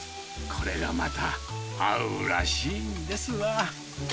これがまた、合うらしいんですわ。